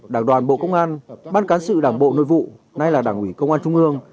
đảng đoàn bộ công an ban cán sự đảng bộ nội vụ nay là đảng ủy công an trung ương